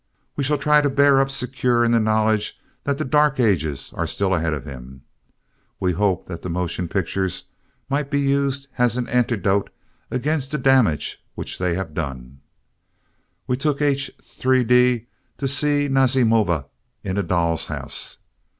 We shall try to bear up secure in the knowledge that the dark ages are still ahead of him. We hoped that the motion pictures might be used as an antidote against the damage which they had done. We took H. 3d to see Nazimova in "A Doll's House."